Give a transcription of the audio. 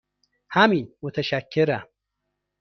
همین، متشکرم.